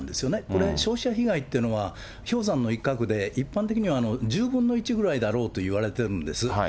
これ、消費者被害っていうのは氷山の一角で、一般的には１０分の１ぐらいであろうといわれてるんです。